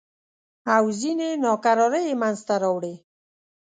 او ځینې ناکرارۍ یې منځته راوړې.